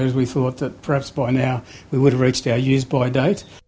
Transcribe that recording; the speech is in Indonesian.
meskipun kita pikir bahwa mungkin sekarang kita akan mencapai tahun yang sama